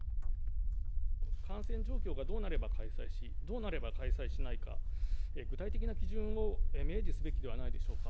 感染状況がどうなれば開催し、どうなれば開催しないか、具体的な基準を明示すべきではないでしょうか。